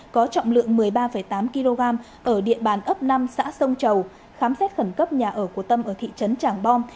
có trọng lượng một mươi ba tám kg ở địa bàn ấp năm xã sông chầu khám xét khẩn cấp nhà ở của tâm ở thị trấn tràng bom